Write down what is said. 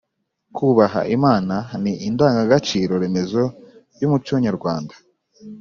«kubaha imana» ni indangagaciro remezo y’umuco nyarwanda.